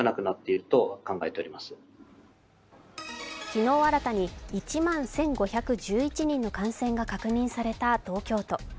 昨日、新たに１万１５１１人の感染が確認された東京都。